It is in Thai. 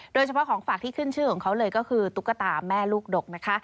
โดยเฉพาะของฝากที่ขึ้นชื่อของเขาเลยก็คือตุ๊กตาแม่ลูกดกนะคะ